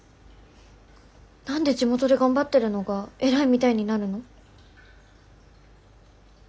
何で地元で頑張ってるのが偉いみたいになるの？